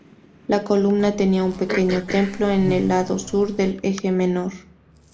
La columnata tenía un pequeño templo en el lado sur del eje menor.